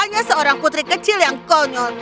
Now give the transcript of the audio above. hanya seorang putri kecil yang konyol